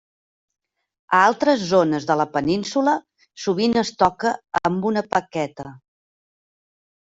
A altres zones de la Península, sovint es toca amb una baqueta.